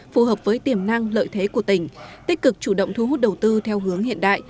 phù hợp với tiềm năng lợi thế của tỉnh tích cực chủ động thu hút đầu tư theo hướng hiện đại